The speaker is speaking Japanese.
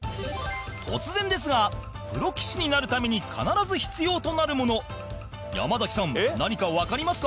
突然ですがプロ棋士になるために必ず必要となるもの山崎さん、何かわかりますか？